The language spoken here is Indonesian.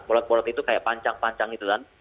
bolat bolat itu kayak panjang panjang gitu kan